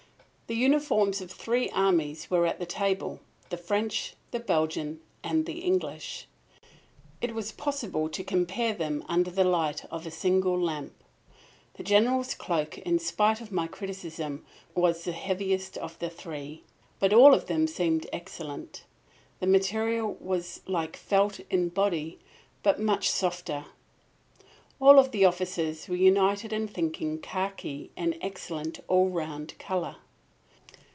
The uniforms of three armies were at the table the French, the Belgian and the English. It was possible to compare them under the light of a single lamp. The General's cloak, in spite of my criticism, was the heaviest of the three. But all of them seemed excellent. The material was like felt in body, but much softer. All of the officers were united in thinking khaki an excellent all round colour.